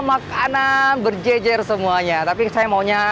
makanan berjejer semuanya tapi saya maunya